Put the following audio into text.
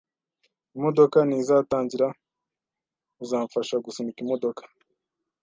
Imodoka ntizatangira. Uzamfasha gusunika imodoka